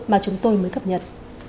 mà chúng tôi mới cập nhật